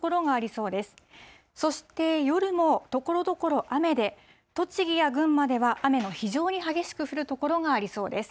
そして、夜も、ところどころ雨で、栃木や群馬では、雨の非常に激しく降る所もありそうです。